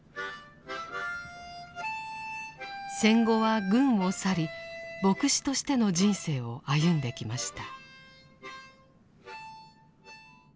戦後は軍を去り牧師としての人生を歩んできました。